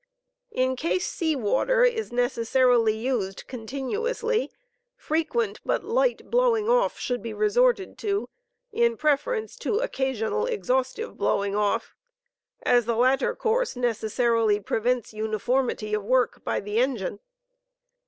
In case sea water is necessarily used continuously, frequent but light blowing off should be resorted to, in preference to occasional exhaustive blowing off, as the latter course necessarily prevents uniformity of work by the engine.